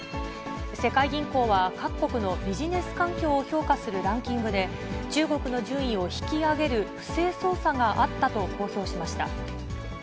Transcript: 世界銀行は各国のビジネス環境を評価するランキングで、中国の順位を引き上げる不正操作があったと公表しました。